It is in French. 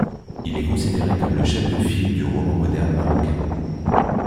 Il est considéré comme le chef de file du roman moderne marocain.